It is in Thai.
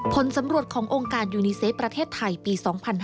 ผลสำรวจขององค์การยูนิเซตประเทศไทยปี๒๕๕๙